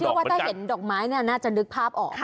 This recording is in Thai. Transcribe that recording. ว่าถ้าเห็นดอกไม้เนี่ยน่าจะนึกภาพออก